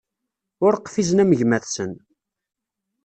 Ur qfizen am gma-tsen.